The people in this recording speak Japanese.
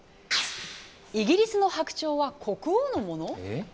イギリスの白鳥は国王のもの？